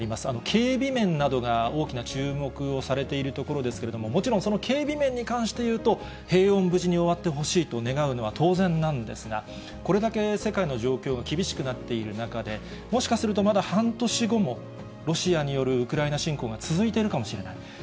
警備面などが大きな注目をされているところですけれども、もちろんその警備面に関して言うと、平穏無事に終わってほしいと願うのは当然なんですが、これだけ世界の状況が厳しくなっている中で、もしかすると、まだ半年後も、ロシアによるウクライナ侵攻が続いてるかもしれない。